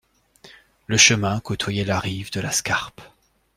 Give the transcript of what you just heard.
Le chemin côtoyait la rive de la Scarpe.